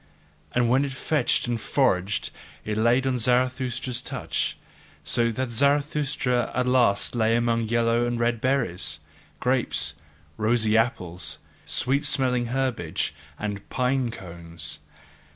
And what it fetched and foraged, it laid on Zarathustra's couch: so that Zarathustra at last lay among yellow and red berries, grapes, rosy apples, sweet smelling herbage, and pine cones.